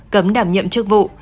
cấm đảm nhậm chức vụ